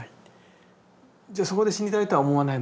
じゃそこで死にたいとは思わない？